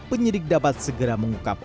penyidik dapat segera mengukap